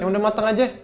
yang udah mateng aja